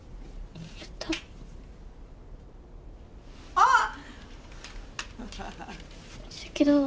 あっ！